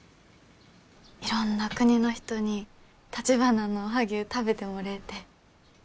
いろんな国の人にたちばなのおはぎゅう食べてもれえてえ。